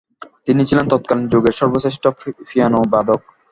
তিনি ছিলেন তৎকালীন যুগের সর্বশ্রেষ্ঠ পিয়ানো বাদক।